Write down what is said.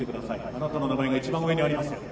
あなたの名前が一番上にありますよ。